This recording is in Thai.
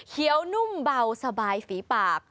เขียวนุ่มเบาสบายฝีปาก